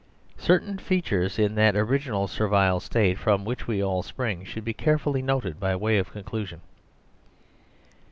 Certain features in that original Servile State from which we all spring should be carefully noted by way of conclusion.